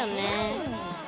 うん。